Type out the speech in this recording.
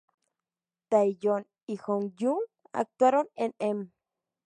Taeyeon y Jonghyun actuaron en "M!